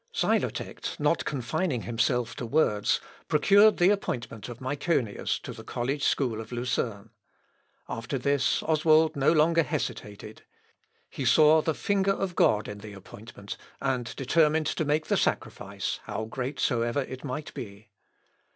Xylotect, not confining himself to words, procured the appointment of Myconius to the college school of Lucerne. After this Oswald no longer hesitated. He saw the finger of God in the appointment, and determined to make the sacrifice, how great soever it might be.